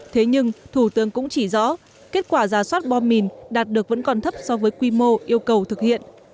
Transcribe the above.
thế nhưng thủ tướng cũng chỉ rõ kết quả giả soát bom mìn đạt được vẫn còn thấp so với quy mô yêu cầu thực hiện